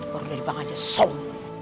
borot dari bang aja som